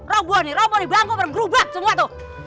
roboh nih roboh nih bangku bergerubah semua tuh